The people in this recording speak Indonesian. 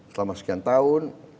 selama sekian tahun